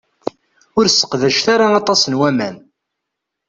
Ur sseqdacet ara aṭas n waman.